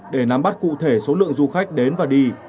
để nắm bắt cụ thể số lượng du khách đến và đi